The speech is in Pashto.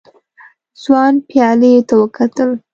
ځوان پيالې ته وکتل.